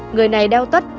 người này đeo tất